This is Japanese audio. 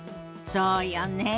そうよね。